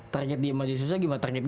target dia maju susah gimana target dia